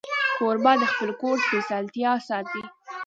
کوربه د خپل کور سپېڅلتیا ساتي.